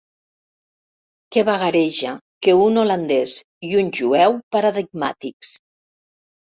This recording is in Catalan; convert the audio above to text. Que vagareja, que un holandès i un jueu paradigmàtics.